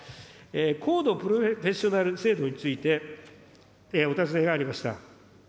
高度プロフェッショナル制度についてお尋ねがありました。